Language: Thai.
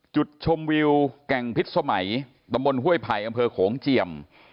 จุดชมวิวแก่งพิษสมัยตำบลห้วยไผ่อำเภอโขงเจียม